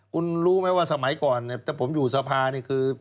คุณรู้ไหมว่าสมัยก่อนถ้าผมอยู่สภานี่คือ